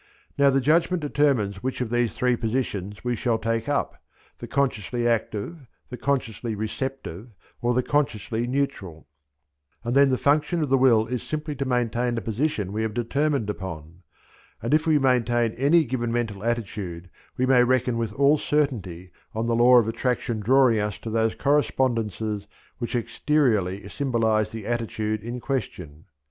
Now the judgment determines which of these three positions we shall take up, the consciously active, the consciously receptive, or the consciously neutral; and then the function of the will is simply to maintain the position we have determined upon; and if we maintain any given mental attitude we may reckon with all certainty on the law of attraction drawing us to those correspondences which exteriorly symbolize the attitude in question.